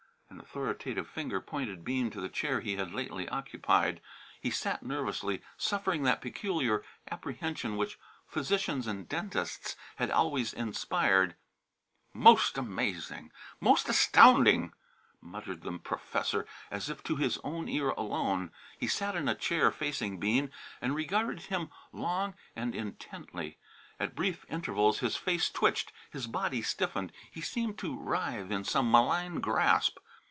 An authoritative finger pointed Bean to the chair he had lately occupied. He sat nervously, suffering that peculiar apprehension which physicians and dentists had always inspired. "Most amazing! Most astounding!" muttered the professor as if to his own ear alone. He sat in a chair facing Bean and regarded him long and intently. At brief intervals his face twitched, his body stiffened, he seemed to writhe in some malign grasp.